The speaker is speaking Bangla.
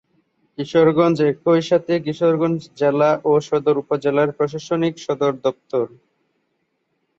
কিশোরগঞ্জ একইসাথে কিশোরগঞ্জ জেলা ও সদর উপজেলার প্রশাসনিক সদর দপ্তর।